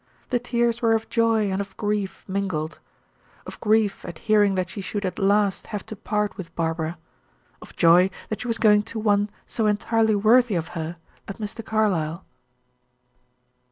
The tears were of joy and of grief mingled of grief at hearing that she should at last have to part with Barbara, of joy that she was going to one so entirely worthy of her as Mr. Carlyle.